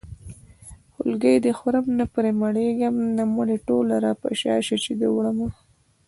خولګۍ دې خورم نه پرې مړېږم نامرې ټوله راپشا شه چې دې وړمه